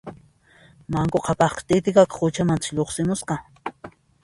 Manku Qhapaqqa Titiqaqa quchamantas lluqsimusqa